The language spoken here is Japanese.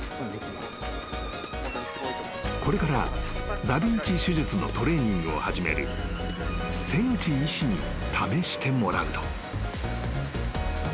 ［これからダビンチ手術のトレーニングを始める瀬口医師に試してもらうと］